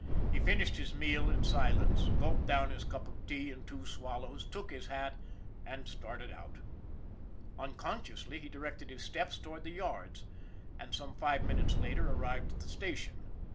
He finished his meal in silence, gulped down his cup of tea in two swallows, took his hat, and started out. Unconsciously he directed his steps toward the yards, and, some five minutes later, arrived at the station.